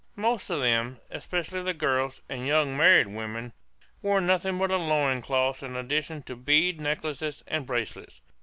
Most of them, especially the girls and young married women, wore nothing but a loin cloth in addition to bead necklaces and bracelets.